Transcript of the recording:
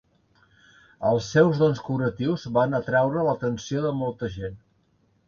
Els seus dons curatius van atreure l'atenció de molta gent.